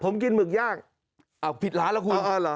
ผมกินหมึกย่างอ้าวผิดร้านแล้วคุณ